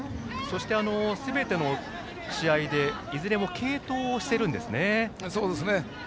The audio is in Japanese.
すべての試合でいずれも継投をしているんですね。